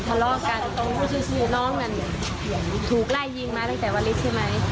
ทะเลาะกันตรงน้องนั่นถูกไล่ยิงมาตั้งแต่วันนี้ใช่ไหม